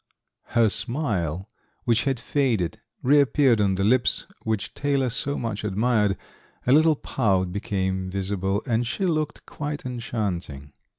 Her smile, which had faded, reappeared on the lips which Taylor so much admired, a little pout became visible and she looked quite enchanting.